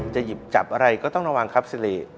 หยิบจับอะไรก็ต้องระวังครับสิริ